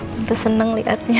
tante seneng liatnya